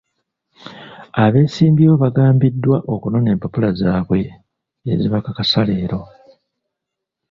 Abeesimbyewo baagambiddwa okunona empapula zaabwe ezibakakasa leero.